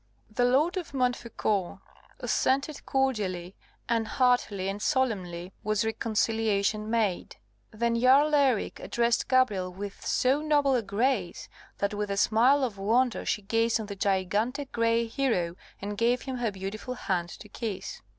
The Lord of Montfaucon assented cordially, and heartily and solemnly was reconciliation made. Then Jarl Eric addressed Gabrielle with so noble a grace, that with a smile of wonder she gazed on the gigantic grey hero, and gave him her beautiful hand to kiss.